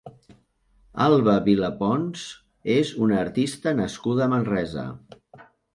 Alba Vila Pons és una artista nascuda a Manresa.